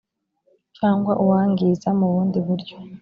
cyangwa uwangiza mu bundi buryo